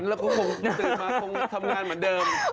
แล้วเขาคงตื่นมาคงทำงานเหมือนเดิม